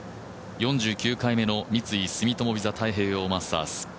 ４９回目の三井住友ＶＩＳＡ太平洋マスターズ。